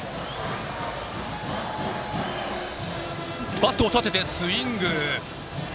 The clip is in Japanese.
バットを立ててスイング。